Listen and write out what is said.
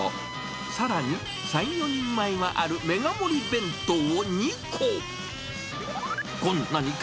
さらに、３、４人前はあるメガ盛り弁当を２個。